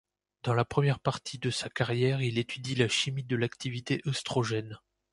Dans la première partie de sa carrière, il étudie la chimie de l'activité œstrogène.